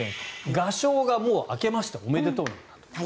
賀正がもう明けましておめでとうなんだと。